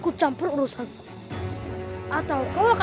aku bernyanyi zurang setinggal queen vagga